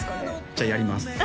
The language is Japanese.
じゃあやります